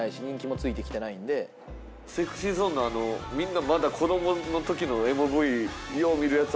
ＳｅｘｙＺｏｎｅのあのみんなまだ子供のときのＭＶよう見るやつ